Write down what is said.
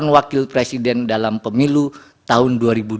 calon wakil presiden dalam pemilu tahun dua ribu dua puluh